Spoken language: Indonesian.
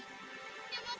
ya mau kerja lah